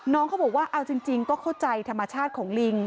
น้องเขาบอกว่าเอาจริงก็เข้าใจธรรมชาติของลิง